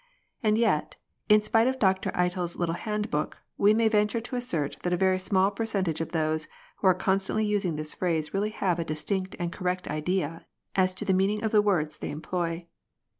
And yet, in spite of Dr Eitel's little hand book, we may venture to assert that a very small percentage of those who are constantly using this phrase really have a distinct and correct idea as to the meaning of the words they employ.